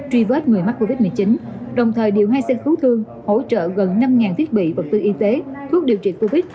truy vết người mắc covid một mươi chín đồng thời điều hai xe cứu thương hỗ trợ gần năm thiết bị vật tư y tế thuốc điều trị covid